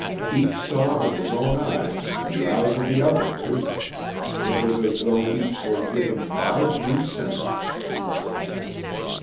Each saw with his own eyes and the eyes of the other, too. It was as though each were given five new senses.